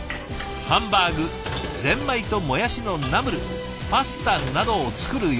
ハンバーグゼンマイともやしのナムルパスタなどを作る予定。